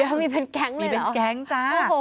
เขามีเป็นแก๊งเลยเหรอโอ้โฮมีเป็นแก๊งจ้ะ